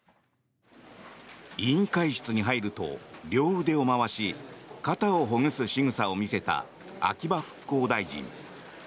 委員会室に入ると両腕を回し肩をほぐすしぐさを見せた秋葉復興大臣。